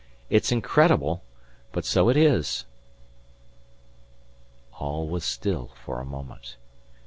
It's incredible but so it is!" All was still for a moment.